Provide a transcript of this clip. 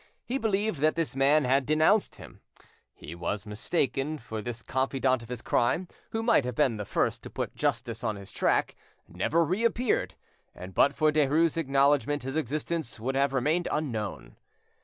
He believed that this man had denounced him: he was mistaken, for this confidant of his crime, who might have been the first to put justice on his track, never reappeared, and but for Derues' acknowledgment his existence would have remained unknown.